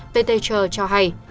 pt trờ cho hay